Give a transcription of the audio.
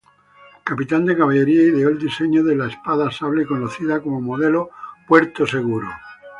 Capitán de caballería, ideó el diseño de la espada-sable conocida como modelo Puerto-Seguro.